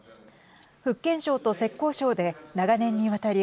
福建省と浙江省で長年にわたり